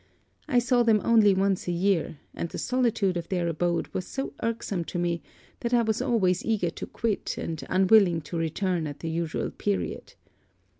I saw them only once a year; and the solitude of their abode was so irksome to me, that I was always eager to quit and unwilling to return at the usual period.